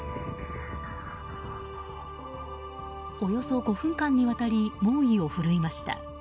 およそ５分間にわたり猛威を振るいました。